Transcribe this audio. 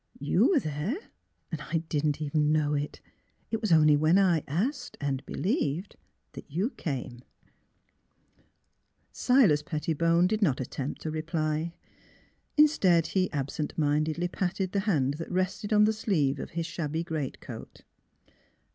" You were there, and I didn't even know it. It was only when I asked — and believed — that you came. '' 44 THE HEART OF PHILURA Silas Pettibone did not attempt a reply; instead he absent mindedly patted the hand that rested on the sleeve of his shabby greatcoat.